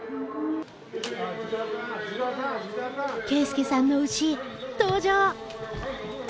啓介さんの牛登場！